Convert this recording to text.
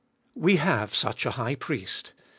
3. We have such a High Priest !